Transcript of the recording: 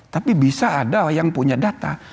tapi bisa ada yang punya data